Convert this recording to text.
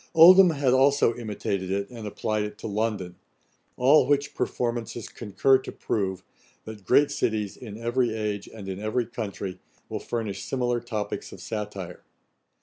Oldham had also imitated it, and applied it to London; all which performances concur to prove, that great cities, in every age, and in every country, will furnish similar topicks of satire.